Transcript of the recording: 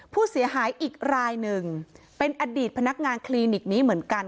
ผู้เสียหายอีกรายหนึ่งเป็นอดีตพนักงานคลินิกนี้เหมือนกัน